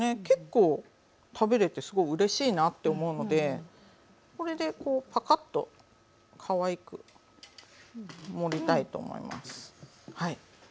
結構食べれてすごいうれしいなって思うのでこれでこうぱかっとかわいく盛りたいと思います。